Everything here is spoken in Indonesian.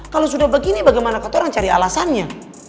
kalau sudah begini bagaimana katorang cari alasannya